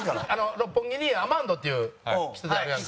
六本木にアマンドっていう喫茶店あるやんか。